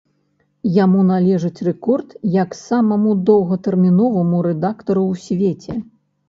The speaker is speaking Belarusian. Яму належыць рэкорд як самаму доўгатэрміноваму рэдактару ў свеце.